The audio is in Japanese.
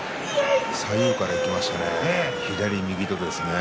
左右からいきましたね